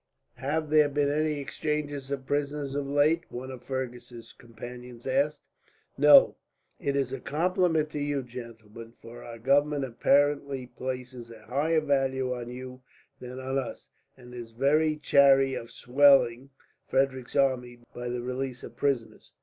"Have there been any exchanges of prisoners, of late?" one of Fergus's companions asked. "No. It is a compliment to you, gentlemen, for our government apparently places a higher value on you than on us, and is very chary of swelling Frederick's armies by the release of prisoners.